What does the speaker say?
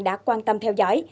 đã quan tâm theo dõi